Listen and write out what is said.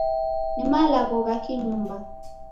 Ni malagho gha ki-nyumba.